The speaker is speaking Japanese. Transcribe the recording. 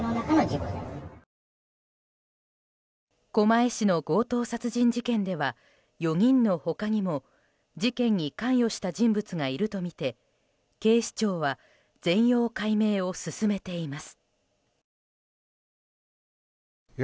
狛江市の強盗殺人事件では４人の他にも事件に関与した人物がいるとみて警視庁は全容解明を進めています。